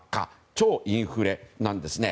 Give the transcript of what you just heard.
超インフレなんですね。